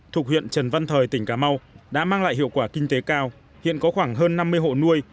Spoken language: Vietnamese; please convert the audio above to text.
thuộc huyện trần văn thời tỉnh cà mau đã mang lại hiệu quả kinh tế cao hiện có khoảng hơn năm mươi hộ nuôi